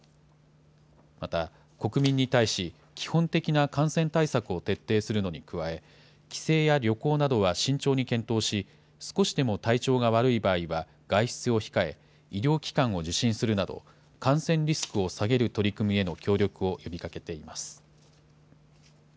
また、国民に対し、基本的な感染対策を徹底するのに加え、帰省や旅行などは慎重に検討し、少しでも体調が悪い場合は外出を控え、医療機関を受診するなど、感染リスクを下げる取り組みへの協力を呼びかけています。